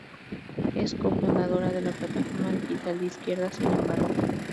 Es co-fundadora de la plataforma digital de izquierda "Sin Embargo".